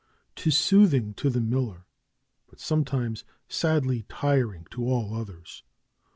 ^Tis soothing to the miller, but sometimes sadly tiring to all others.